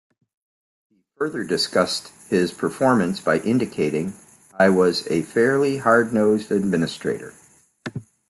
He further discussed his performance by indicating, I was a fairly hard-nosed administrator.